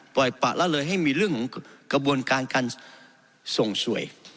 ปล่อยปะละเลยให้มีเรื่องของกระบวนการการส่งสวย